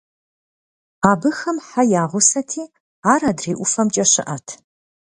Абыхэм хьэ я гъусэти, ар адрей ӀуфэмкӀэ щыӀэт.